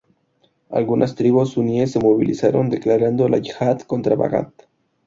Algunas tribus suníes se movilizaron, declarando la yihad contra Bagdad.